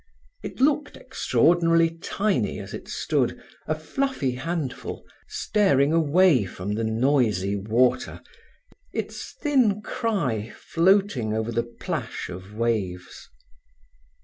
It looked extraordinarily tiny as it stood, a fluffy handful, staring away from the noisy water, its thin cry floating over the plash of waves.